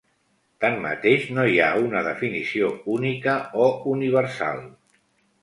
Tanmateix, no hi ha una definició única o universal.